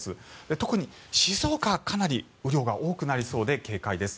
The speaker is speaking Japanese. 特に静岡はかなり雨量が多くなりそうで警戒です。